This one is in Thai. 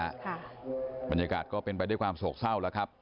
บรรยากาศก็เป็นไปด้วยความโศกเศร้าแล้วครับ